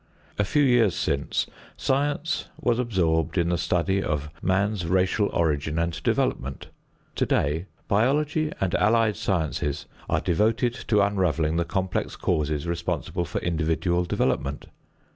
A few years since science was absorbed in the study of man's racial origin and development. Today, biology and allied sciences are devoted to unraveling the complex causes responsible for individual development.